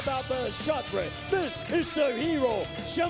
โปรดติดตามต่อไป